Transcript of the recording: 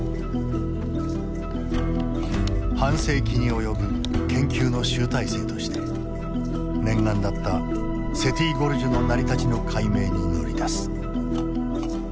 半世紀に及ぶ研究の集大成として念願だったセティ・ゴルジュの成り立ちの解明に乗り出す。